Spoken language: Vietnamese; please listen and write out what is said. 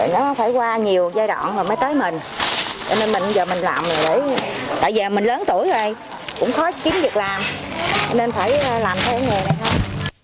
nó phải qua nhiều giai đoạn rồi mới tới mình cho nên mình giờ mình làm tại giờ mình lớn tuổi rồi cũng khó kiếm việc làm nên phải làm thêm nghề này thôi